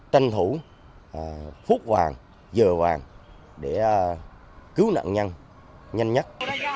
tranh thủ phút vàng giờ vàng để cứu nạn nhân nhanh nhất